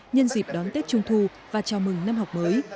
nhân dịp đón tết trung thu và chào mừng năm học mới